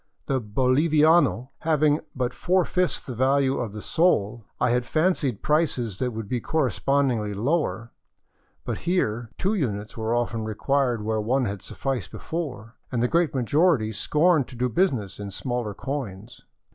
The boliviano having but four fifths the value of the sol, I had fancied prices would be correspondingly lower; but here two units were often required where one had sufficed before, and the great majority scorned to do business in smaller coins.